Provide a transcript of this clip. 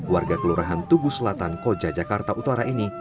warga kelurahan tugu selatan koja jakarta utara ini